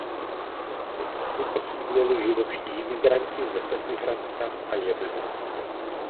Tu osídlili židovští imigranti ze Sedmihradska a Jemenu.